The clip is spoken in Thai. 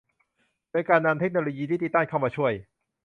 โดยการนำเทคโนโลยีดิจิทัลเข้ามาช่วย